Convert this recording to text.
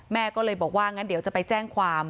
แม่ก็เลยบอกว่างั้นเดี๋ยวจะไปแจ้งความ